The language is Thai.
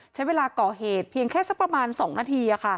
ใช้เวลาก่อเหตุเพียงแค่สักประมาณ๒นาที